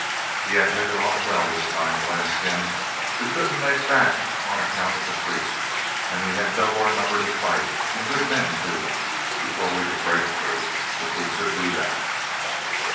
He had hit it off well this time, blast him! We couldn't make back on account of the creek, and we had double our number to fight, and good men too, before we could break through, if we could do that.